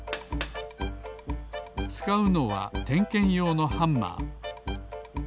つかうのはてんけんようのハンマー。